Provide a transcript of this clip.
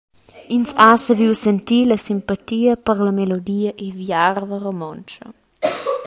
Ins ha saviu sentir la simpatia per la melodia e viarva romontscha.